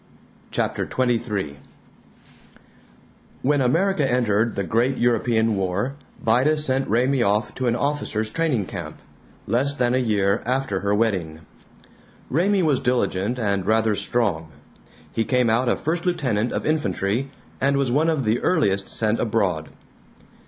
CHAPTER XXIII I WHEN America entered the Great European War, Vida sent Raymie off to an officers' training camp less than a year after her wedding. Raymie was diligent and rather strong. He came out a first lieutenant of infantry, and was one of the earliest sent abroad.